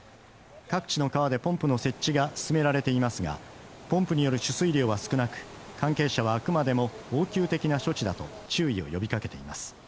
各地の川でポンプの設置が進められていますが、ポンプによる取水量は少なく、関係者はあくまでも応急的な処置だと注意を呼びかけています。